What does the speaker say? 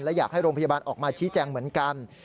และอยากให้โรงพยาบาลออกมาชี้แจงเหมือนกัน